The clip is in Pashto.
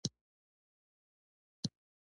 ویې ویل: د ډلې په قومندانۍ کې خبر شوم.